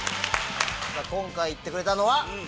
今回行ってくれたのは？